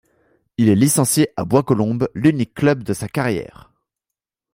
Il est licencié à Bois-Colombes, l'unique club de sa carrière.